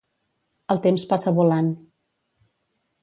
El temps passa volant